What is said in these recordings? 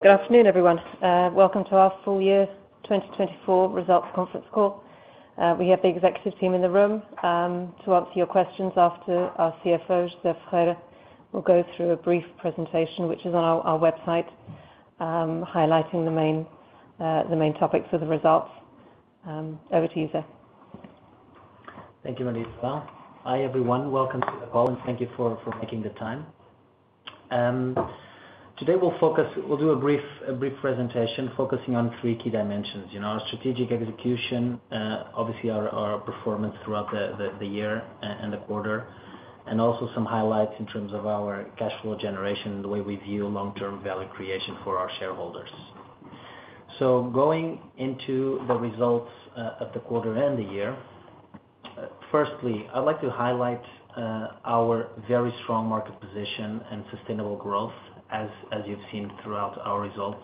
Good afternoon, everyone. Welcome to our full year 2024 results conference call. We have the executive team in the room to answer your questions after our CFO, José Ferreira, will go through a brief presentation, which is on our website, highlighting the main topics of the results. Over to you, José. Thank you, Marisa. Hi, everyone. Welcome to the call, and thank you for making the time. Today we'll do a brief presentation focusing on three key dimensions, you know, our strategic execution, obviously our performance throughout the year and the quarter, and also some highlights in terms of our cash flow generation and the way we view long-term value creation for our shareholders. So going into the results of the quarter and the year, firstly, I'd like to highlight our very strong market position and sustainable growth, as you've seen throughout our results,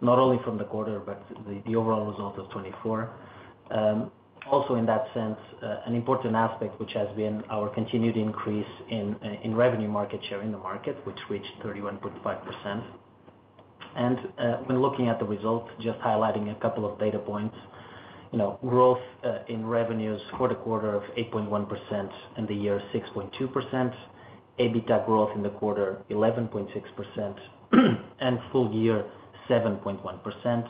not only from the quarter but the overall results of 2024. Also in that sense, an important aspect, which has been our continued increase in revenue market share in the market, which reached 31.5%. And when looking at the results, just highlighting a couple of data points, you know, growth in revenues for the quarter of 8.1%, in the year 6.2%, EBITDA growth in the quarter 11.6%, and full year 7.1%.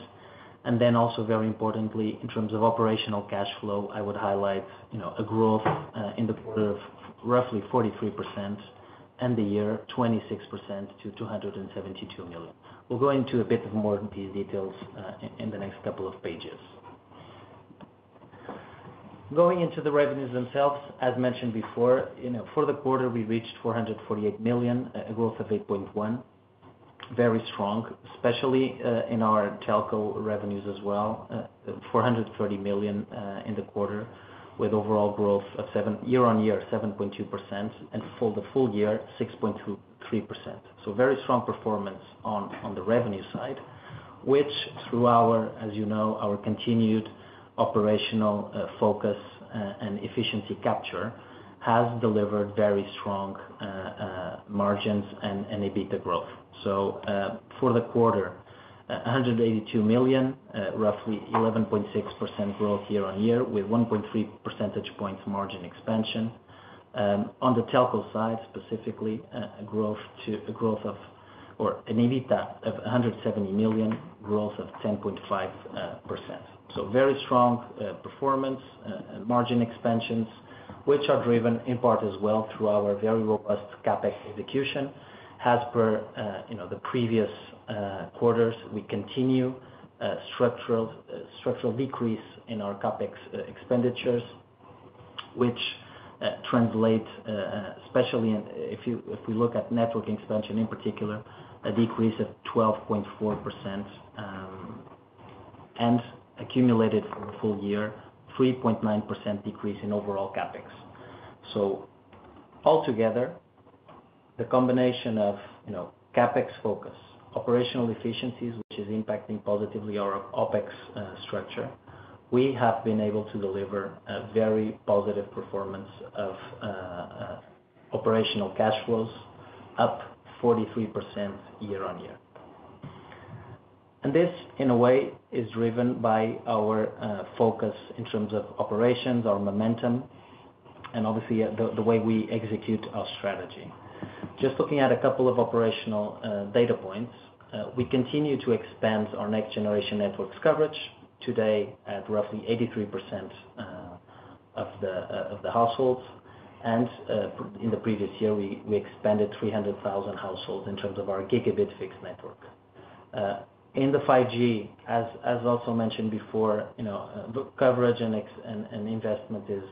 And then also, very importantly, in terms of operational cash flow, I would highlight, you know, a growth in the quarter of roughly 43%, and the year 26% to 272 million. We'll go into a bit more details in the next couple of pages. Going into the revenues themselves, as mentioned before, you know, for the quarter, we reached 448 million, a growth of 8.1%, very strong, especially in our telco revenues as well, 430 million in the quarter, with overall growth of 7% year-on-year, 7.2%, and for the full year, 6.23%. So very strong performance on the revenue side, which, as you know, through our continued operational focus and efficiency capture has delivered very strong margins and EBITDA growth. For the quarter, 182 million, roughly 11.6% growth year on year, with 1.3 percentage points margin expansion. On the telco side specifically, an EBITDA of 170 million, growth of 10.5%. So very strong performance, margin expansions, which are driven in part as well through our very robust CapEx execution. As per, you know, the previous quarters, we continue structural decrease in our CapEx expenditures, which translates, especially if we look at network expansion in particular, a decrease of 12.4%, and accumulated for the full year, 3.9% decrease in overall CapEx. So altogether, the combination of, you know, CapEx focus, operational efficiencies, which is impacting positively our OpEx structure, we have been able to deliver a very positive performance of operational cash flows up 43% year-on-year. And this, in a way, is driven by our focus in terms of operations, our momentum, and obviously, the way we execute our strategy. Just looking at a couple of operational data points, we continue to expand our next generation networks coverage today at roughly 83% of the households. And in the previous year, we expanded 300,000 households in terms of our gigabit fixed network. In the 5G, as also mentioned before, you know, coverage and expansion and investment is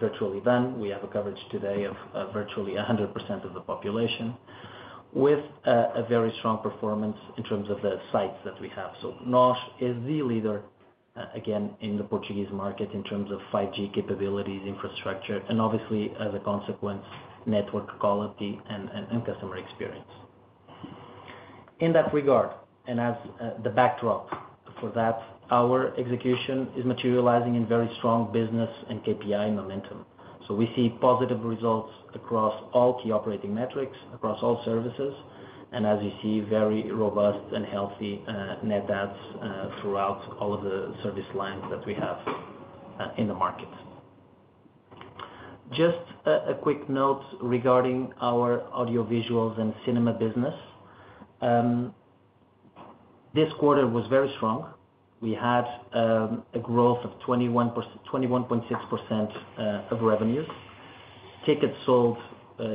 virtually done. We have coverage today of virtually 100% of the population, with a very strong performance in terms of the sites that we have. So NOS is the leader, again, in the Portuguese market in terms of 5G capabilities, infrastructure, and obviously, as a consequence, network quality and customer experience. In that regard, as the backdrop for that, our execution is materializing in very strong business and KPI momentum. So we see positive results across all key operating metrics, across all services, and as you see, very robust and healthy net adds throughout all of the service lines that we have in the market. Just a quick note regarding our audiovisuals and cinema business. This quarter was very strong. We had a growth of 21.6% of revenues. Tickets sold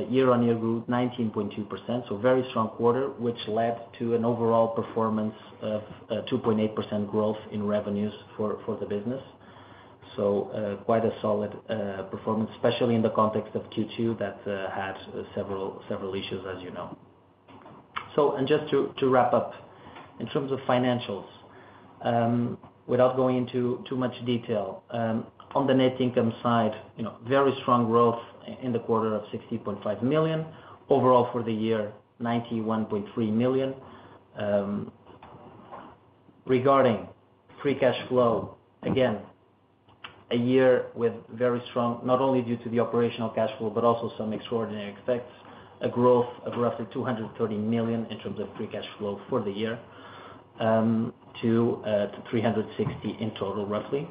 year-on-year grew 19.2%. So very strong quarter, which led to an overall performance of 2.8% growth in revenues for the business. Quite a solid performance, especially in the context of Q2 that had several issues, as you know. Just to wrap up, in terms of financials, without going into too much detail, on the net income side, you know, very strong growth in the quarter of 60.5 million. Overall for the year, 91.3 million. Regarding free cash flow, again, a year with very strong not only due to the operational cash flow but also some extraordinary effects, a growth of roughly 230 million in terms of free cash flow for the year, to 360 million in total, roughly,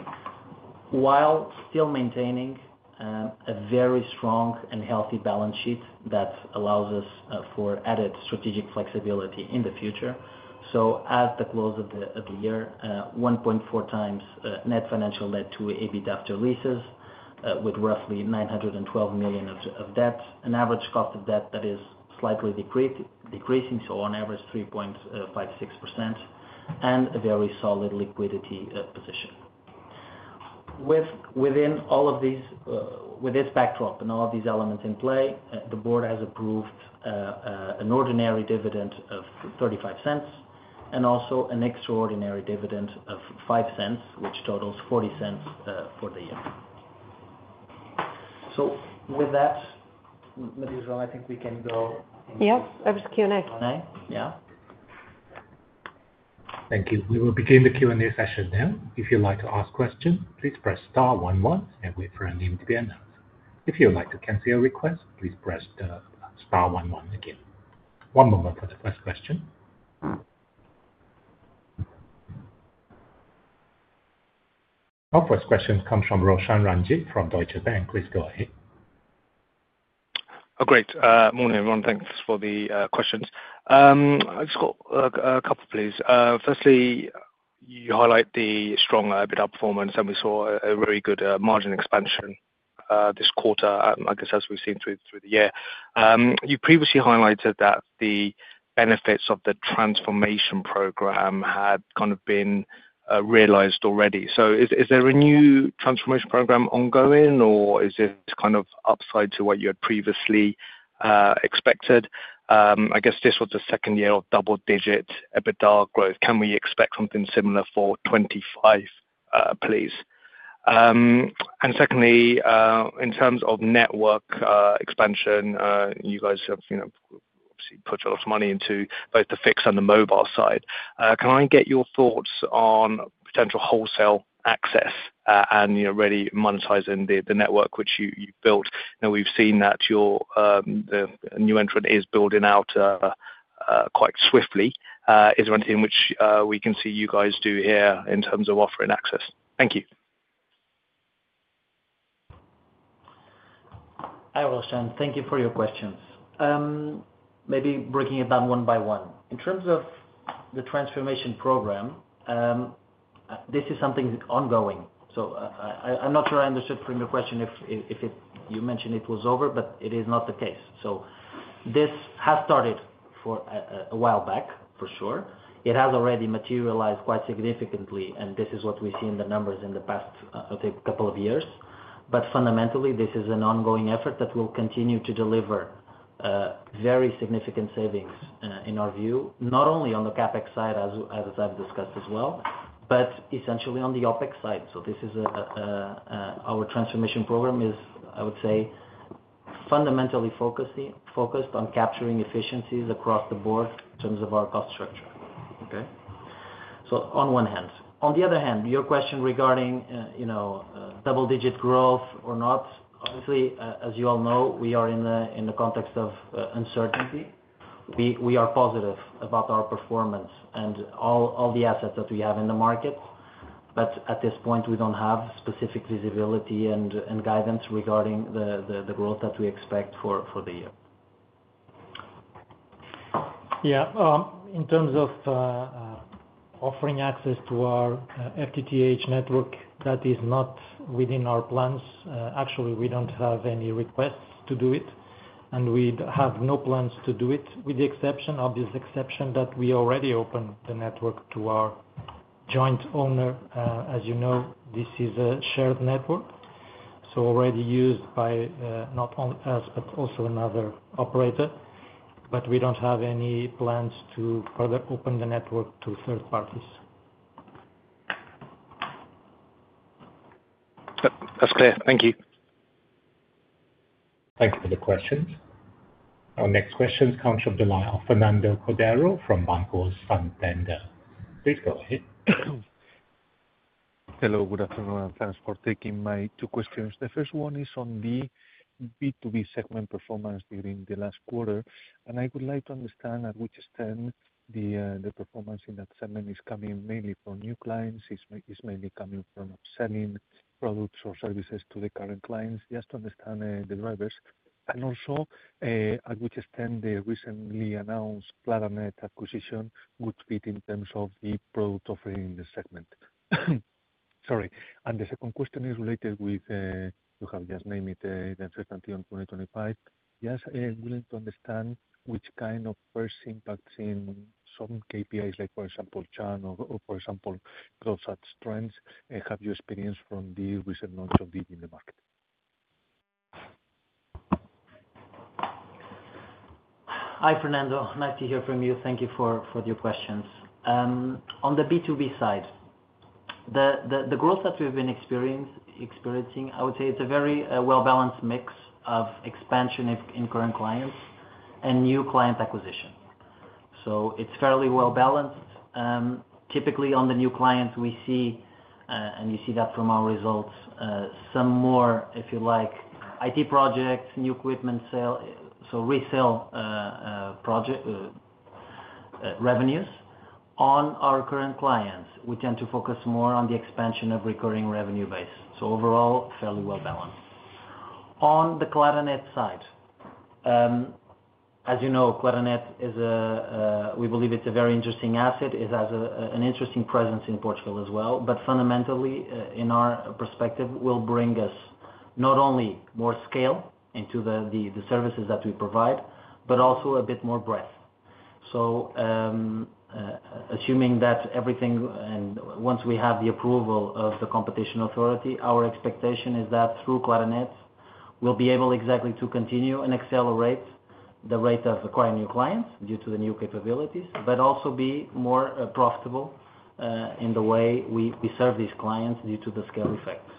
while still maintaining a very strong and healthy balance sheet that allows us for added strategic flexibility in the future. So at the close of the year, 1.4x net financial debt to EBITDA after leases, with roughly 912 million of debt, an average cost of debt that is slightly decreasing, so on average 3.56%, and a very solid liquidity position. Within all of these, with this backdrop and all of these elements in play, the board has approved an ordinary dividend of 0.35 and also an extraordinary dividend of 0.05, which totals 0.40, for the year. So with that, Marisa, I think we can go. Yep. Over to Q&A. Q&A? Yeah. Thank you. We will begin the Q&A session now. If you'd like to ask a question, please press star one one and wait for a name to be announced. If you'd like to cancel your request, please press the star one one again. One moment for the first question. Our first question comes from Roshan Ranjit from Deutsche Bank. Please go ahead. Oh, great morning, everyone. Thanks for the questions. I just got a couple, please. Firstly, you highlight the strong EBITDA performance, and we saw a very good margin expansion this quarter, I guess, as we've seen through the year. You previously highlighted that the benefits of the transformation program had kind of been realized already. So is there a new transformation program ongoing, or is this kind of upside to what you had previously expected? I guess this was the second year of double-digit EBITDA growth. Can we expect something similar for 2025, please? And secondly, in terms of network expansion, you guys have, you know, obviously put a lot of money into both the fixed and the mobile side. Can I get your thoughts on potential wholesale access, and, you know, really monetizing the network which you've built? You know, we've seen that your, the new entrant is building out quite swiftly. Is there anything which we can see you guys do here in terms of offering access? Thank you. Hi, Roshan. Thank you for your questions. Maybe breaking it down one by one. In terms of the transformation program, this is something ongoing. So, I'm not sure I understood from your question if you mentioned it was over, but it is not the case. So this has started a while back, for sure. It has already materialized quite significantly, and this is what we see in the numbers in the past, I would say, couple of years. But fundamentally, this is an ongoing effort that will continue to deliver very significant savings, in our view, not only on the CapEx side, as I've discussed as well, but essentially on the OpEx side. So this is our transformation program. I would say, fundamentally focused on capturing efficiencies across the board in terms of our cost structure. Okay? So on one hand. On the other hand, your question regarding, you know, double-digit growth or not, obviously, as you all know, we are in the context of uncertainty. We are positive about our performance and all the assets that we have in the market, but at this point, we don't have specific visibility and guidance regarding the growth that we expect for the year. Yeah. In terms of offering access to our FTTH network, that is not within our plans. Actually, we don't have any requests to do it, and we'd have no plans to do it with the exception of this exception that we already opened the network to our joint owner. As you know, this is a shared network, so already used by not only us but also another operator, but we don't have any plans to further open the network to third parties. That's clear. Thank you. Thank you for the questions. Our next question is from Fernando Cordero from Banco Santander. Please go ahead. Hello. Good afternoon. Thanks for taking my two questions. The first one is on the B2B segment performance during the last quarter. And I would like to understand at which extent the performance in that segment is coming mainly from new clients. It's mainly coming from selling products or services to the current clients. Just to understand the drivers. And also, at which extent the recently announced Claranet acquisition would fit in terms of the product offering in the segment. Sorry. And the second question is related with, you have just named it, the uncertainty on 2025. Yes, willing to understand which kind of first impacts in some KPIs, like, for example, churn or, or, for example, gross adds strength, have you experienced from the recent launch of the Digi market? Hi, Fernando. Nice to hear from you. Thank you for your questions. On the B2B side, the growth that we've been experiencing, I would say it's a very well-balanced mix of expansion in current clients and new client acquisition. So it's fairly well-balanced. Typically on the new clients, we see, and you see that from our results, some more, if you like, IT projects, new equipment sale, so resale, project, revenues. On our current clients, we tend to focus more on the expansion of recurring revenue base. So overall, fairly well-balanced. On the Claranet side, as you know, Claranet, we believe it's a very interesting asset. It has an interesting presence in Portugal as well. But fundamentally, in our perspective, will bring us not only more scale into the services that we provide, but also a bit more breadth. Assuming that everything and once we have the approval of the Competition Authority, our expectation is that through Claranet, we'll be able exactly to continue and accelerate the rate of acquiring new clients due to the new capabilities, but also be more profitable in the way we serve these clients due to the scale effects.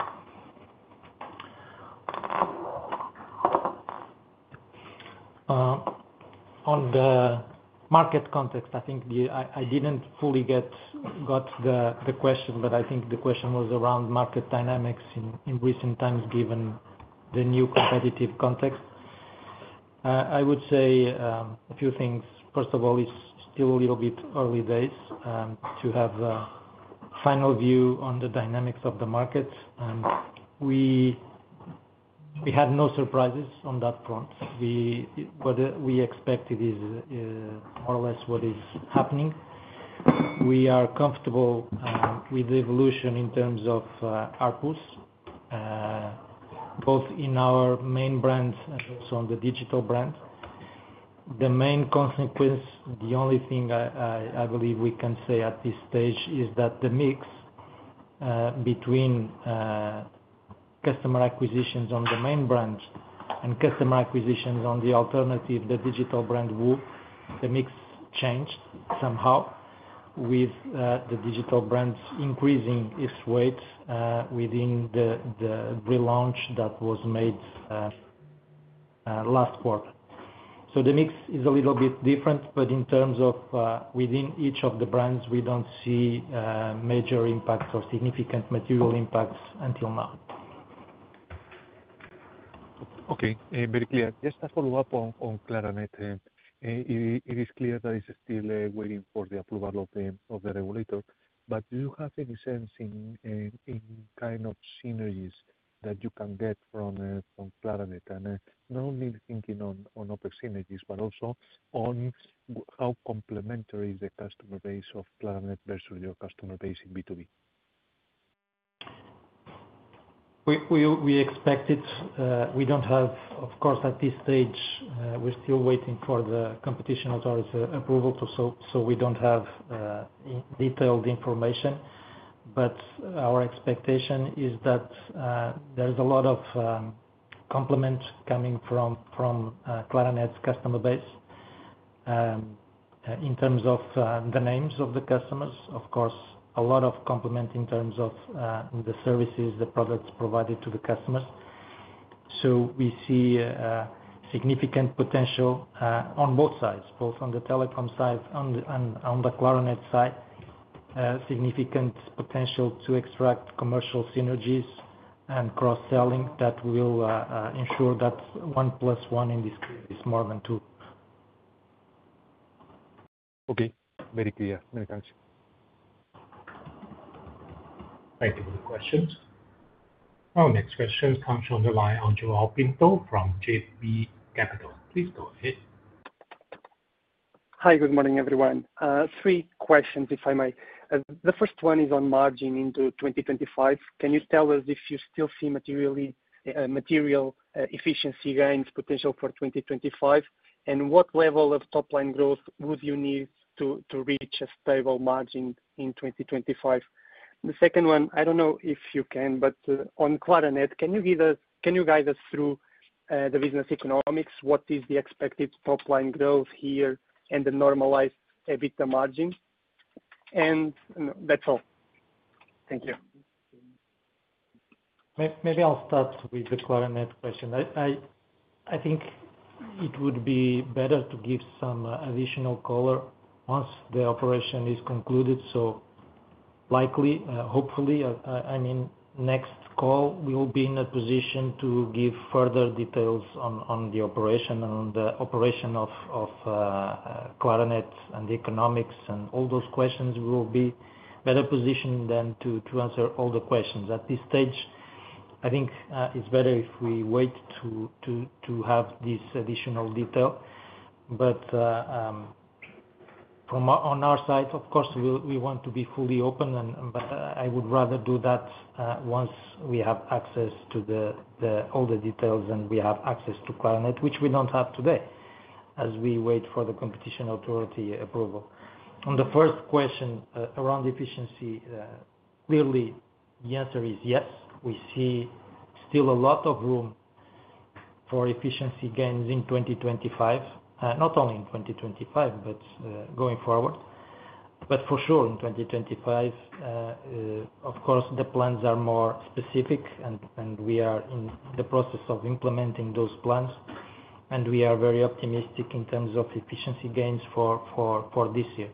On the market context, I think I didn't fully get the question, but I think the question was around market dynamics in recent times given the new competitive context. I would say a few things. First of all, it's still a little bit early days to have a final view on the dynamics of the market. We had no surprises on that front. What we expected is more or less what is happening. We are comfortable with the evolution in terms of our push, both in our main brand and also on the digital brand. The main consequence, the only thing I believe we can say at this stage is that the mix between customer acquisitions on the main brand and customer acquisitions on the alternative, the digital brand WOO, the mix changed somehow with the digital brand increasing its weight within the relaunch that was made last quarter. So the mix is a little bit different, but in terms of within each of the brands, we don't see major impact or significant material impacts until now. Okay. Very clear. Just a follow-up on Claranet. It is clear that it's still waiting for the approval of the regulator. But do you have any sense in kind of synergies that you can get from Claranet? And, not only thinking on OpEx synergies, but also on how complementary is the customer base of Claranet versus your customer base in B2B? We expect it. We don't have, of course, at this stage. We're still waiting for the Competition Authority's approval, so we don't have detailed information. But our expectation is that there's a lot of complement coming from Claranet's customer base, in terms of the names of the customers. Of course, a lot of complement in terms of the services, the products provided to the customers. So we see significant potential on both sides, both on the telecom side, on the Claranet side, significant potential to extract commercial synergies and cross-selling that will ensure that one plus one in this case is more than two. Okay. Very clear. Many thanks. Thank you for the questions. Our next question comes from the line of João Pinto from JB Capital Markets. Please go ahead. Hi. Good morning, everyone. Three questions, if I may. The first one is on margin into 2025. Can you tell us if you still see material efficiency gains potential for 2025? And what level of top-line growth would you need to reach a stable margin in 2025? The second one, I don't know if you can, but on Claranet, can you give us, can you guide us through the business economics? What is the expected top-line growth here and the normalized EBITDA margin? And that's all. Thank you. Maybe I'll start with the Claranet question. I think it would be better to give some additional color once the operation is concluded. So likely, hopefully, I mean, next call, we'll be in a position to give further details on the operation and on the operation of Claranet and the economics and all those questions. We will be better positioned than to answer all the questions. At this stage, I think it's better if we wait to have this additional detail. But from our side, of course, we want to be fully open, and but I would rather do that once we have access to all the details and we have access to Claranet, which we don't have today as we wait for the Competition Authority approval. On the first question, around efficiency, clearly, the answer is yes. We see still a lot of room for efficiency gains in 2025, not only in 2025, but going forward. But for sure, in 2025, of course, the plans are more specific, and we are in the process of implementing those plans, and we are very optimistic in terms of efficiency gains for this year.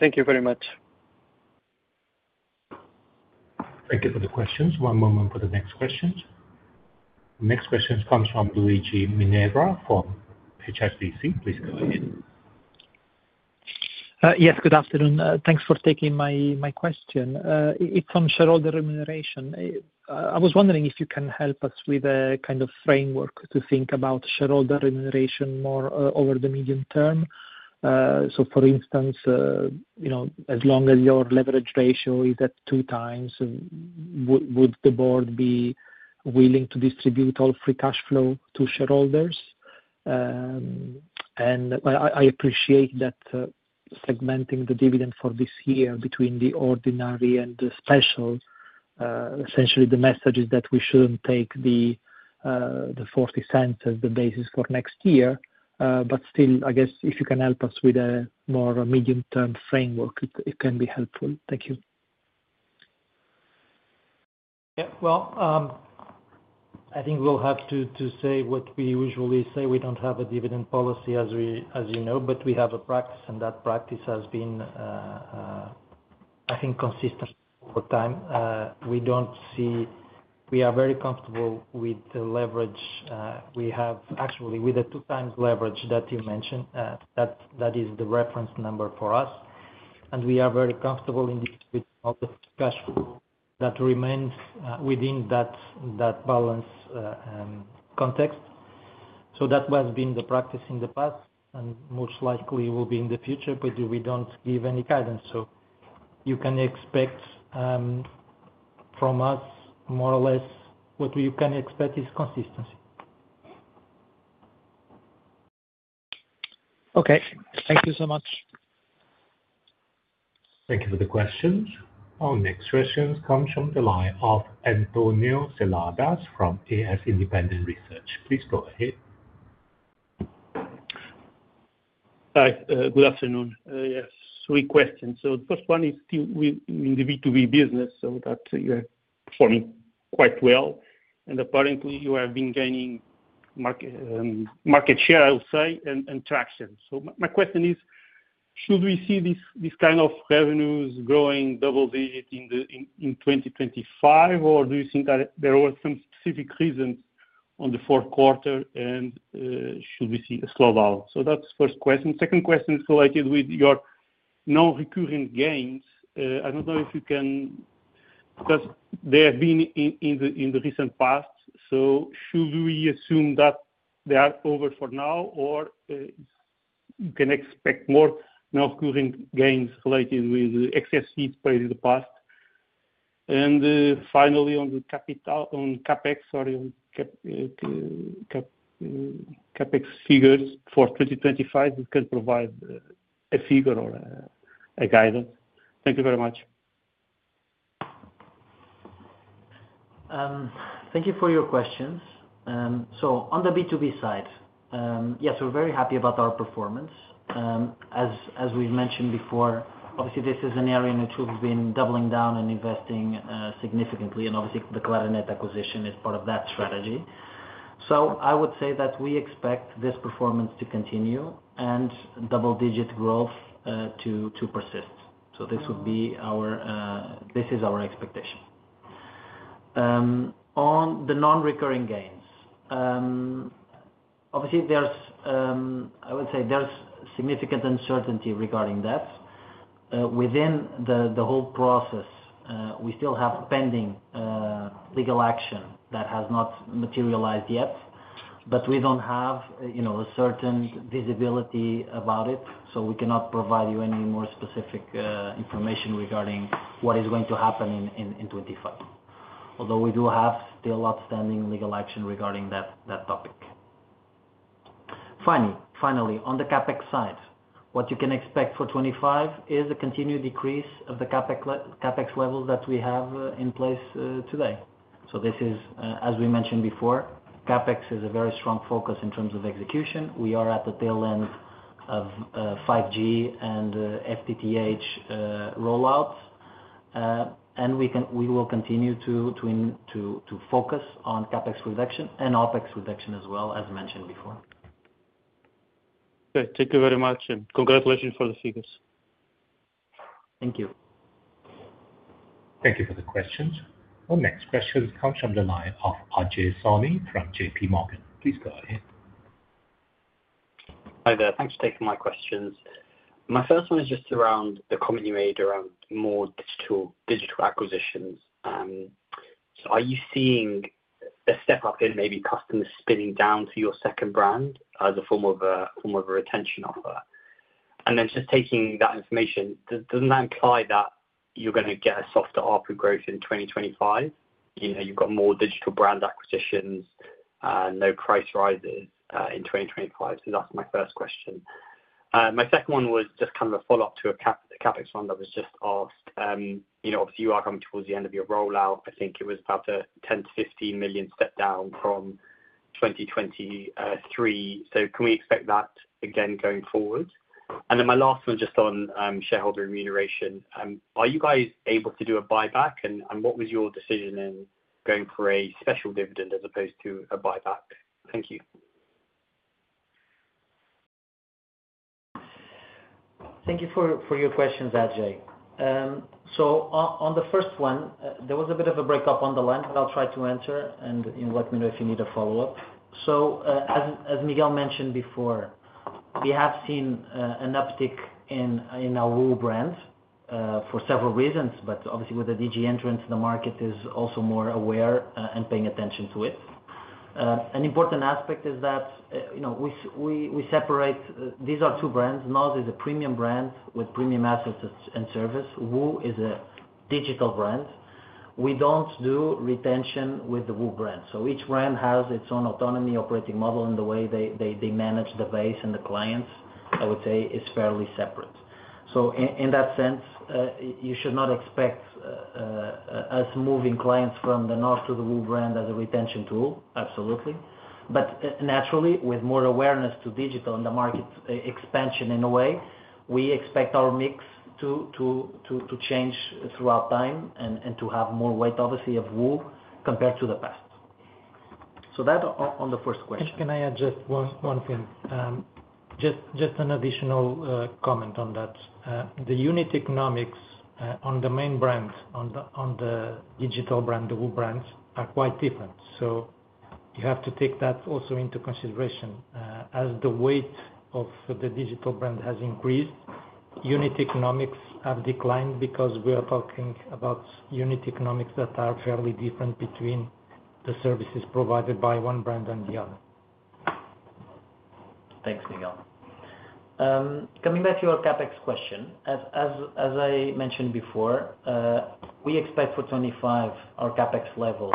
Thank you very much. Thank you for the questions. One moment for the next questions. Next question comes from Luigi Minerva from HSBC. Please go ahead. Yes. Good afternoon. Thanks for taking my question. It's on shareholder remuneration. I was wondering if you can help us with a kind of framework to think about shareholder remuneration more over the medium term. So for instance, you know, as long as your leverage ratio is at 2x, would the board be willing to distribute all free cash flow to shareholders? And I appreciate that, segmenting the dividend for this year between the ordinary and the special, essentially the message is that we shouldn't take the 0.40 as the basis for next year. But still, I guess, if you can help us with a more medium-term framework, it can be helpful. Thank you. Yeah. I think we'll have to say what we usually say. We don't have a dividend policy, as we, as you know, but we have a practice, and that practice has been, I think, consistent over time. We don't see we are very comfortable with the leverage. We have actually with the 2x leverage that you mentioned, that is the reference number for us. And we are very comfortable in distributing all the cash flow that remains, within that balance context. That has been the practice in the past and most likely will be in the future, but we don't give any guidance. You can expect from us more or less what you can expect is consistency. Okay. Thank you so much. Thank you for the questions. Our next question comes from the line of António Seladas from AS Independent Research. Please go ahead. Hi. Good afternoon. Yes. Three questions. So the first one is still we in the B2B business, so that you are performing quite well. And apparently, you have been gaining market share, I would say, and traction. So my question is, should we see this kind of revenues growing double-digit in 2025, or do you think that there were some specific reasons on the fourth quarter and should we see a slowdown? So that's the first question. Second question is related with your non-recurring gains. I don't know if you can because they have been in the recent past. So should we assume that they are over for now, or you can expect more non-recurring gains related with the excess fees paid in the past? Finally, on CapEx, sorry, on CapEx figures for 2025, you can provide a figure or a guidance? Thank you very much. Thank you for your questions, so on the B2B side, yes, we're very happy about our performance. As we've mentioned before, obviously, this is an area in which we've been doubling down and investing significantly, and obviously, the Claranet acquisition is part of that strategy, so I would say that we expect this performance to continue and double-digit growth to persist, so this would be our, this is our expectation. On the non-recurring gains, obviously, I would say there's significant uncertainty regarding that. Within the whole process, we still have pending legal action that has not materialized yet, but we don't have, you know, a certain visibility about it. So we cannot provide you any more specific information regarding what is going to happen in 2025, although we do have still outstanding legal action regarding that topic. Finally, on the CapEx side, what you can expect for 2025 is a continued decrease of the CapEx levels that we have in place today. So this is, as we mentioned before, CapEx is a very strong focus in terms of execution. We are at the tail end of 5G and FTTH rollouts, and we will continue to focus on CapEx reduction and OpEx reduction as well, as mentioned before. Okay. Thank you very much, and congratulations for the figures. Thank you. Thank you for the questions. Our next question comes from the line of Ajay Soni from J.P. Morgan. Please go ahead. Hi there. Thanks for taking my questions. My first one is just around the comment you made around more digital acquisitions. So are you seeing a step up in maybe customers spinning down to your second brand as a form of a retention offer? And then just taking that information, doesn't that imply that you're gonna get a softer ARPU growth in 2025? You know, you've got more digital brand acquisitions, no price rises, in 2025. So that's my first question. My second one was just kind of a follow-up to a CapEx one that was just asked. You know, obviously, you are coming towards the end of your rollout. I think it was about a 10 million- 15 million step down from 2023. So can we expect that again going forward? And then my last one just on shareholder remuneration. Are you guys able to do a buyback? And, and what was your decision in going for a special dividend as opposed to a buyback? Thank you. Thank you for your questions, Ajay. So on the first one, there was a bit of a breakup on the line, but I'll try to answer and, you know, let me know if you need a follow-up. As Miguel mentioned before, we have seen an uptick in our WOO brand for several reasons. But obviously, with the Digi entrance, the market is also more aware and paying attention to it. An important aspect is that, you know, we separate. These are two brands. NOS is a premium brand with premium assets and service. WOO is a digital brand. We don't do retention with the WOO brand. So each brand has its own autonomous operating model and the way they manage the base and the clients, I would say, is fairly separate. So in that sense, you should not expect us moving clients from the NOS to the WOO brand as a retention tool. Absolutely. But naturally, with more awareness to digital and the market expansion in a way, we expect our mix to change throughout time and to have more weight, obviously, of WOO compared to the past. So that on the first question. Can I add just one thing? Just an additional comment on that. The unit economics on the main brand, on the digital brand, the WOO brands, are quite different. So you have to take that also into consideration. As the weight of the digital brand has increased, unit economics have declined because we are talking about unit economics that are fairly different between the services provided by one brand and the other. Thanks, Miguel. Coming back to your CapEx question, as I mentioned before, we expect for 2025 our CapEx level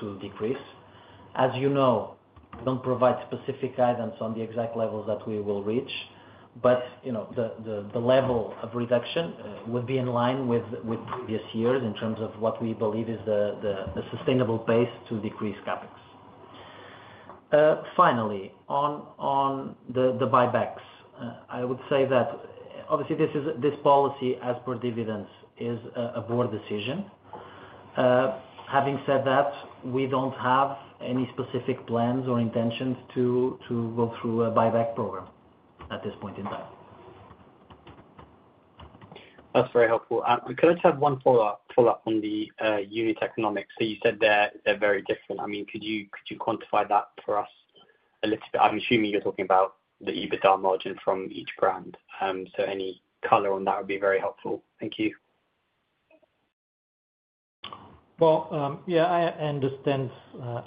to decrease. As you know, we don't provide specific guidance on the exact levels that we will reach, but you know, the level of reduction would be in line with previous years in terms of what we believe is the sustainable pace to decrease CapEx. Finally, on the buybacks, I would say that obviously this is this policy, as per dividends, is a board decision. Having said that, we don't have any specific plans or intentions to go through a buyback program at this point in time. That's very helpful. I could just have one follow-up on the unit economics. So you said they're very different. I mean, could you quantify that for us a little bit? I'm assuming you're talking about the EBITDA margin from each brand. So any color on that would be very helpful. Thank you. Yeah, I understand.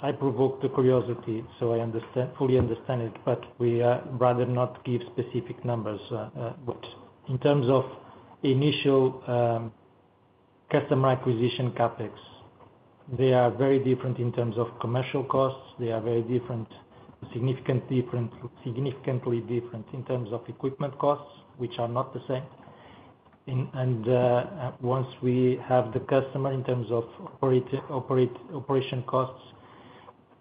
I provoked the curiosity, so I understand, fully understand it, but we are rather not give specific numbers, which in terms of initial customer acquisition CapEx, they are very different in terms of commercial costs. They are very different, significantly different in terms of equipment costs, which are not the same. And once we have the customer in terms of operation costs,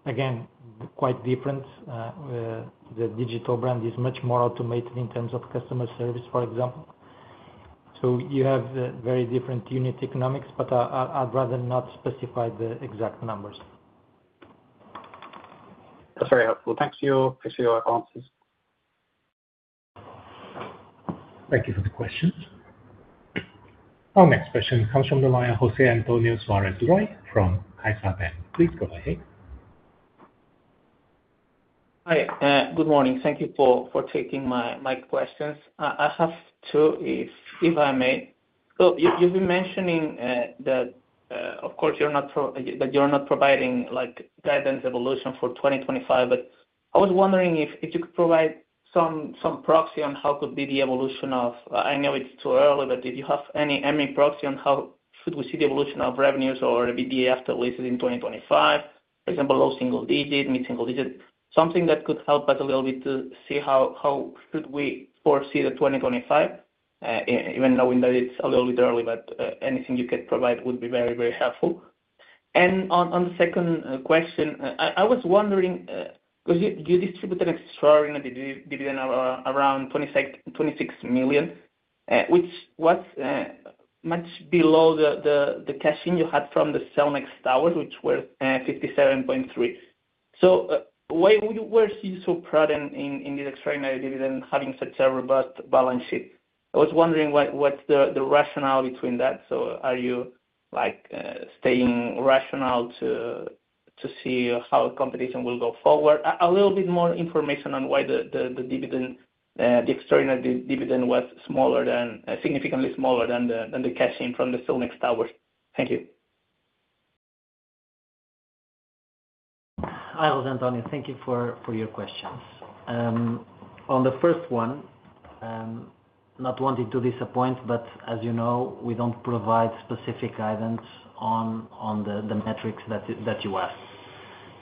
again, quite different. The digital brand is much more automated in terms of customer service, for example. So you have very different unit economics, but I'd rather not specify the exact numbers. That's very helpful. Thanks for your answers. Thank you for the questions. Our next question comes from the line of Jose Antonio Suarez Roig from CaixaBank. Please go ahead. Hi. Good morning. Thank you for taking my questions. I have two, if I may. So you've been mentioning that, of course, you're not providing, like, guidance evolution for 2025, but I was wondering if you could provide some proxy on how could be the evolution of. I know it's too early, but did you have any proxy on how should we see the evolution of revenues or the EBITDA after leases in 2025? For example, low single digit, mid-single digit, something that could help us a little bit to see how should we foresee the 2025, even knowing that it's a little bit early, but anything you could provide would be very helpful. On the second question, I was wondering, because you distributed an extraordinary dividend around 26 million, which was much below the cash you had from the Cellnex towers, which was 57.3 million. Why were you so prudent in this extraordinary dividend, having such a robust balance sheet? I was wondering what is the rationale behind that. Are you, like, staying rational to see how competition will go forward? A little bit more information on why the dividend, the extraordinary dividend, was smaller than, significantly smaller than, the cash in from the Cellnex towers. Thank you. Hi, Jose Antonio. Thank you for your questions. On the first one, not wanting to disappoint, but as you know, we don't provide specific guidance on the metrics that you asked,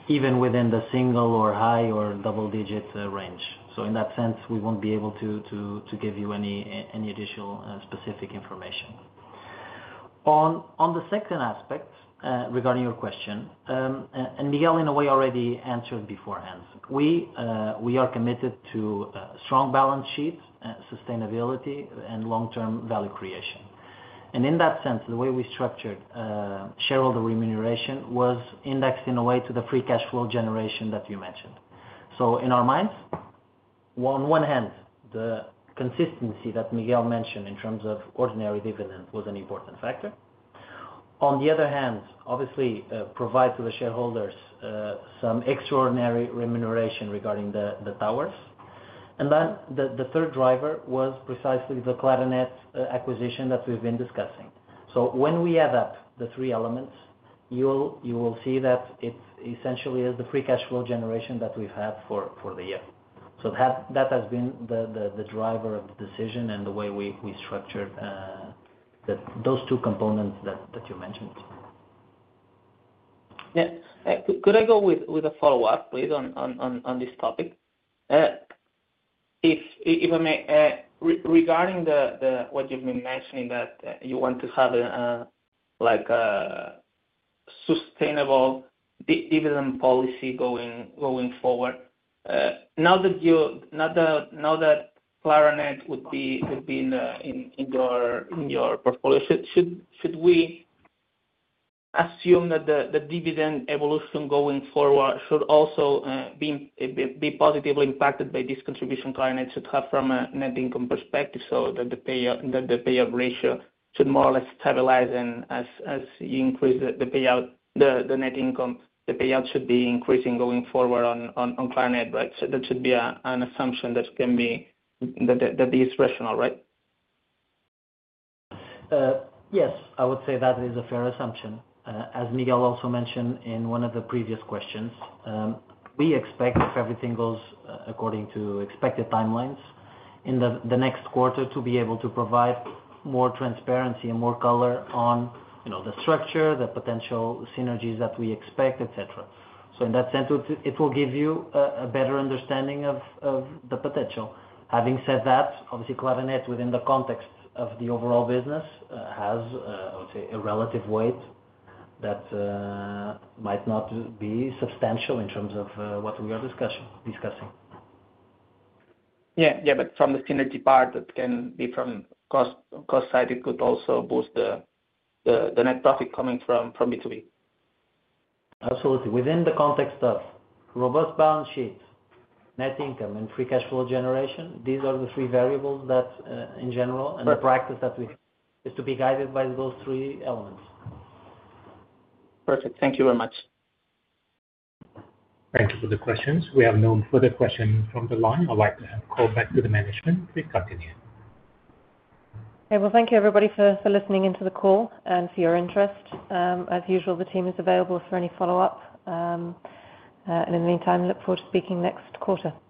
even within the single or high or double-digit range. So in that sense, we won't be able to give you any additional specific information. On the second aspect, regarding your question, and Miguel, in a way, already answered beforehand. We are committed to strong balance sheets, sustainability, and long-term value creation. And in that sense, the way we structured shareholder remuneration was indexed in a way to the free cash flow generation that you mentioned. So in our minds, on one hand, the consistency that Miguel mentioned in terms of ordinary dividend was an important factor. On the other hand, obviously provide to the shareholders some extraordinary remuneration regarding the towers. And then the third driver was precisely the Claranet acquisition that we've been discussing. So when we add up the three elements, you will see that it essentially is the free cash flow generation that we've had for the year. So that has been the driver of the decision and the way we structured those two components that you mentioned. Yeah. Could I go with a follow-up, please, on this topic? If I may, regarding what you've been mentioning that you want to have a like a sustainable dividend policy going forward, now that Claranet would be in your portfolio, should we assume that the dividend evolution going forward should also be positively impacted by this contribution Claranet should have from a net income perspective so that the payout ratio should more or less stabilize and as you increase the net income, the payout should be increasing going forward on Claranet, right? So that should be an assumption that is rational, right? Yes, I would say that is a fair assumption. As Miguel also mentioned in one of the previous questions, we expect, if everything goes according to expected timelines, in the next quarter to be able to provide more transparency and more color on, you know, the structure, the potential synergies that we expect, etc. So in that sense, it will give you a better understanding of the potential. Having said that, obviously, Claranet, within the context of the overall business, has, I would say, a relative weight that might not be substantial in terms of what we are discussing. Yeah. Yeah. But from the synergy part, that can be from cost side, it could also boost the net profit coming from B2B. Absolutely. Within the context of robust balance sheet, net income, and free cash flow generation, these are the three variables that, in general and the practice that we is to be guided by those three elements. Perfect. Thank you very much. Thank you for the questions. We have no further question from the line. I'd like to call back to the management. Please continue. Okay. Thank you, everybody, for listening into the call and for your interest. As usual, the team is available for any follow-up. In the meantime, look forward to speaking next quarter.